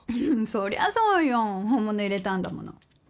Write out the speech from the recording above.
そりゃそうよ本物入れたんだもの。